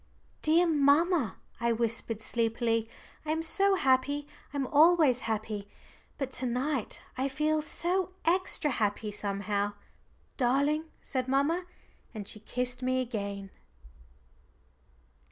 "Dear mamma," I whispered sleepily, "I am so happy I'm always happy, but to night I feel so extra happy, somehow." "Darling," said mamma. And she kissed me again.